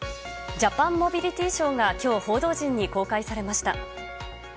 「ジャパンモビリティショー」が今日、報道陣に公開されました。